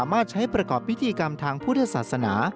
มาใช้ประกอบพิธีกรรมทางพุทธศาสนา